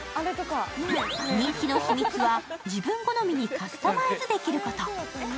人気の秘密は自分好みにカスタマイズできること。